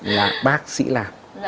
là bác sĩ làm